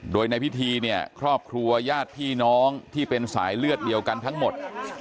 โดยในพิธีเนี่ยครอบครัวญาติพี่น้องที่เป็นสายเลือดเดียวกันทั้งหมด